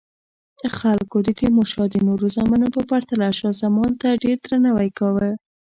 خلکو د تیمورشاه د نورو زامنو په پرتله شاه زمان ته ډیر درناوی کاوه.